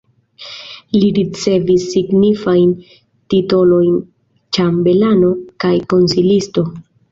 Li ricevis signifajn titolojn ĉambelano kaj konsilisto.